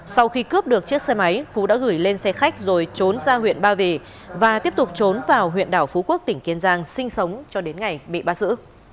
sau khi cướp được chiếc xe máy phú đã gửi lên xe khách rồi trốn ra huyện ba vì và tiếp tục trốn vào huyện đảo phú quốc tỉnh kiên giang sinh sống cho đến ngày bị bắt giữ